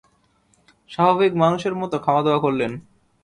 স্বাভাবিক মানুষের মতো খাওয়াদাওয়া করলেন।